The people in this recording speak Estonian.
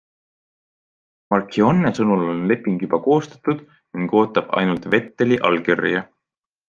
Marchionne sõnul on leping juba koostatud ning ootab ainult Vetteli allkirja.